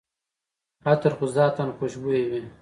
عطر خو ذاتاً خوشبویه وي.